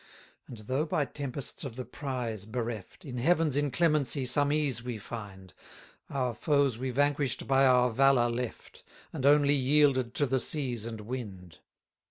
30 And though by tempests of the prize bereft, In Heaven's inclemency some ease we find: Our foes we vanquish'd by our valour left, And only yielded to the seas and wind.